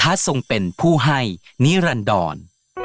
พระพระส่งเป็นผู้ให้นิรันดร